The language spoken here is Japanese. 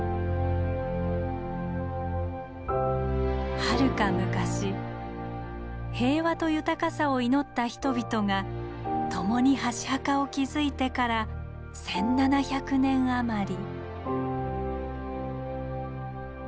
はるか昔平和と豊かさを祈った人々が共に箸墓を築いてから１，７００年余り。